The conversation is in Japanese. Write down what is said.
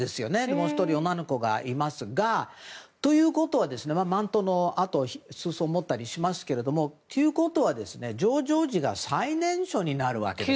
もう１人、女の子がいますが。ということはマントの裾を持ったりしますけどということは、ジョージ王子が最年少になるわけです